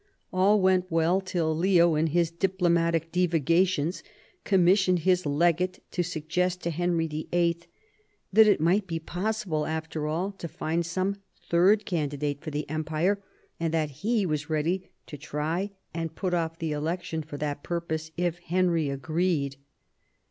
All went well till Leo, in his diplomatic divagations, commissioned his legate to sug gest to Henry VIII. that it might be possible, after all, to find some third candidate for the empire, and that he was ready to try and put off the election for that purpose, if Henry agreed.